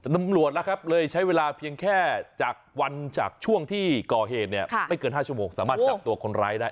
ตำรวจแล้วครับเลยใช้เวลาเพียงแค่จากวันจากช่วงที่ก่อเหตุเนี่ยไม่เกิน๕ชั่วโมงสามารถจับตัวคนร้ายได้